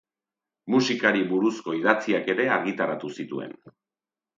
Musikari buruzko idatziak ere argitaratu zituen.